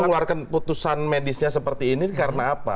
mengeluarkan putusan medisnya seperti ini karena apa